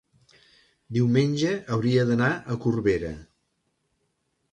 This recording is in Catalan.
Diumenge hauria d'anar a Corbera.